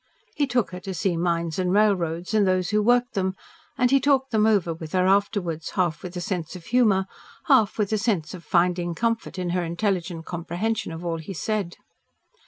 He took her to see mines and railroads and those who worked them, and he talked them over with her afterward, half with a sense of humour, half with a sense of finding comfort in her intelligent comprehension of all he said.